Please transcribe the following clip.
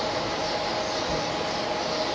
ต้องเติมเนี่ย